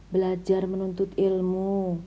belajar menuntut ilmu